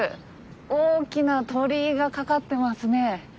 大きな鳥居がかかってますね。